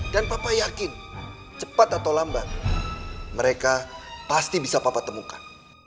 dan papa yakin cepat atau lambat mereka pasti bisa papa temukan